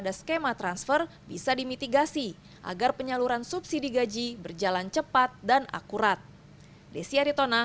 di siaritonang yudistri